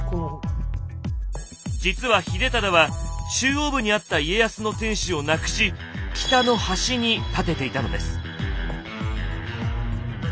実は秀忠は中央部にあった家康の天守をなくし北の端に建てていたのです。